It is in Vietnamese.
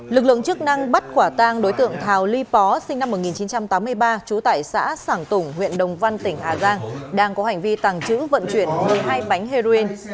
lực lượng chức năng bắt quả tang đối tượng thào ly pó sinh năm một nghìn chín trăm tám mươi ba trú tại xã sản tùng huyện đồng văn tỉnh hà giang đang có hành vi tàng trữ vận chuyển một mươi hai bánh heroin